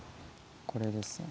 これですね。